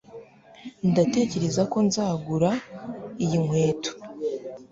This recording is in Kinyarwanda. ndatekereza ko nzagura iyi nkweto